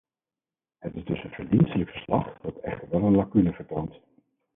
Het is dus een verdienstelijk verslag, dat echter wel een lacune vertoont.